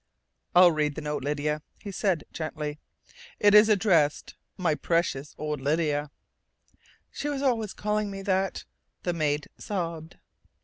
"I'll read the note, Lydia," he said gently. "It is addressed: 'My precious old Lydia' " "She was always calling me that!" the maid sobbed.